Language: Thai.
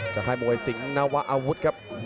ค่ายมวยสิงหนวะอาวุธครับ